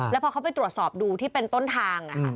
แล้วพอเขาไปตรวจสอบดูที่เป็นต้นทาง